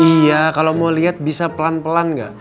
iya kalau mau liat bisa pelan pelan gak